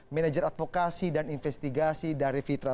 manager advokasi dan investigasi dari fitra